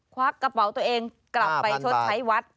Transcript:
ควักกระเป๋าตัวเองกลับไปชดใช้วัด